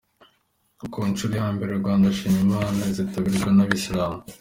Ku nshuro ya mbere, Rwanda Shima Imana izitabirwa n'abayisilamu.